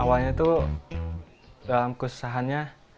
awalnya itu dalam kesesahannya